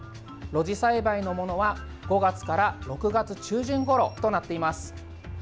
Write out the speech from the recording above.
露地栽培のものは５月から６月中旬ごろとなっています。